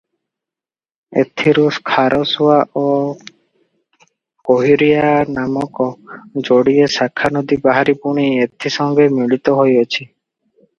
ଏଥୁରୁ ଖାରସୁଆ ଓ କିହ୍ୱିରିଆ ନାମକ ଯୋଡ଼ିଏ ଶାଖାନଦୀ ବାହାରି ପୁଣି ଏଥି ସଙ୍ଗେ ମିଳିତ ହୋଇଅଛି ।